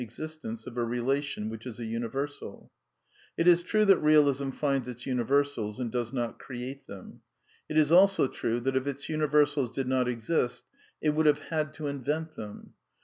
existence of a relation which is a universal.) It is true that Bealism finds its universals and does not create them. It is also true that if its imiversals did not exist it would have had to invent them.